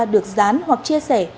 được dán hoặc chia sẻ